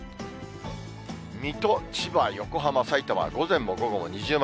水戸、千葉、横浜、さいたまは午前も午後も二重丸。